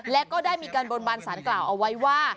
และก็ได้มีการบนบานสารกล่าวเอาไว้ว่า